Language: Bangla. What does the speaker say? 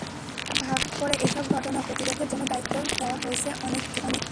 এলাকা ভাগ করে এসব ঘটনা প্রতিরোধের জন্য দায়িত্ব দেওয়া হয়েছে অনেককে।